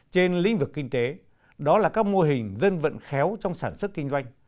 trên lĩnh vực kinh tế đó là các mô hình dân vận khéo trong sản xuất kinh doanh